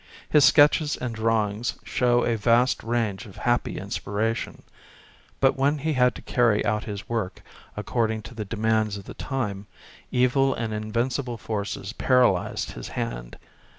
His sketches and drawings show a vast range of happy inspiration, but when he had to carry out his work according to the demands of the time, evil and invincible forces paralyzed his hand.